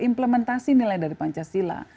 implementasi nilai dari pancasila